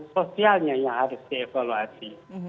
sosialnya yang harus dievaluasi